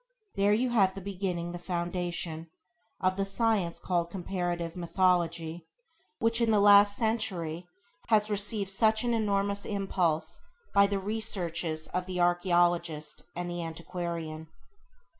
There you have the beginning the foundation, of the science called Comparative Mythology, which in the last century has received such an enormous impulse by the researches of the archaeologist and the antiquarian.